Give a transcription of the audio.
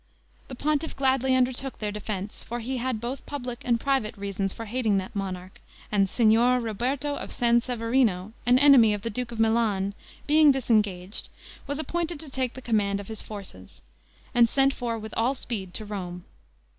The pontiff gladly undertook their defense, for he had both public and private reasons for hating that monarch; and Signor Roberto of San Severino, an enemy of the duke of Milan, being disengaged, was appointed to take the command of his forces, and sent for with all speed to Rome.